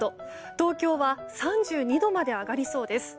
東京は３２度まで上がりそうです。